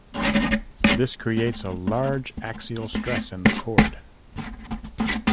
This creates a large axial stress in the cord.